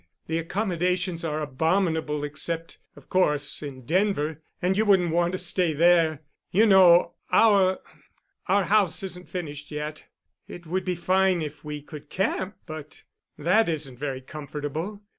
The accommodations are abominable except, of course, in Denver, and you wouldn't want to stay there. You know our—our house isn't finished yet. It would be fine if we could camp—but that isn't very comfortable.